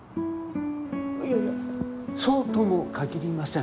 いやいやそうとも限りません。